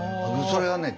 それはね